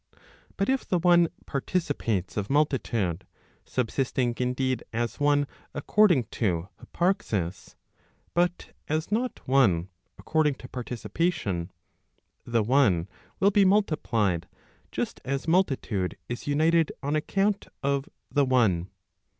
But if the one also participates of multitude, s ubsisting indeed as one according to hyparxis, but as uotone, according to participation, the one will be multiplied, just as multitude is united on account of the one.